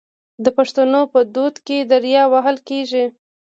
د پښتنو په ودونو کې دریا وهل کیږي.